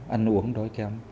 ăn uống đói kém